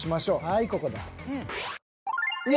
はいここだ。